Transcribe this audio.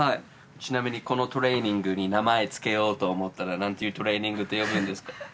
ちなみにこのトレーニングに名前付けようと思ったら何ていうトレーニングって呼ぶんですか？